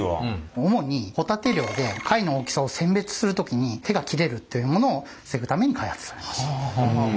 主にホタテ漁で貝の大きさを選別する時に手が切れるというものを防ぐために開発されました。